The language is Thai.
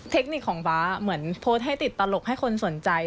เทคนิคของฟ้าเหมือนโพสต์ให้ติดตลกให้คนสนใจ